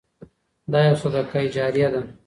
دا يو صدقه جاريه ده.